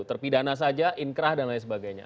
terpidana saja inkrah dan lain sebagainya